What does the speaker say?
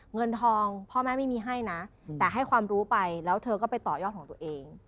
เงินทองพ่อแม่ไม่มีให้นะแต่ให้ความรู้ไปแล้วเธอก็ไปต่อยอดของตัวเอง